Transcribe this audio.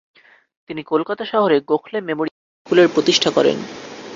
তিনি কলকাতা শহরে গোখলে মেমোরিয়াল স্কুলের প্রতিষ্ঠা করেন।